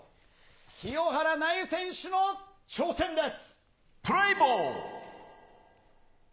清原奈侑選手の挑戦です。